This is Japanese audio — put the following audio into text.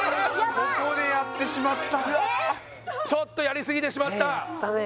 ここでやってしまったちょっとやりすぎてしまったえ